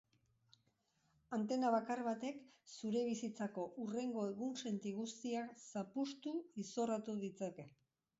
Antena bakar batek zure bizitzako hurrengo egunsenti guztiak zapustu, izorratu ditzake.